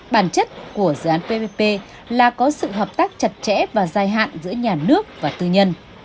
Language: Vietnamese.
bản chất của dự án ppp là có sự hợp tác chặt chẽ và dài hạn giữa nhà nước và tư nhân